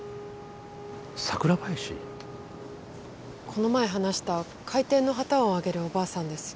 この前話した開店の旗を揚げるおばあさんです。